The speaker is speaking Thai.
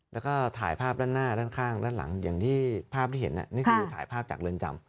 แล้วก็ถ่ายภาพด้านหน้าด้านข้างด้านหลังอย่างที่ภาพที่เห็นนี่คือถ่ายภาพจากเรือนจำ